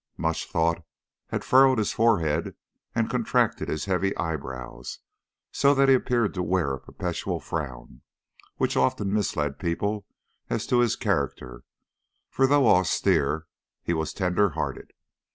Much thought had furrowed his forehead and contracted his heavy eyebrows, so that he appeared to wear a perpetual frown, which often misled people as to his character, for though austere he was tender hearted.